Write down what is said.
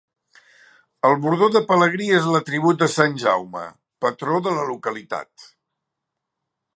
El bordó de pelegrí és l'atribut de sant Jaume, patró de la localitat.